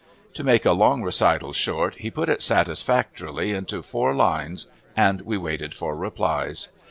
To make a long recital short, he put it satisfactorily into four lines and we waited for replies.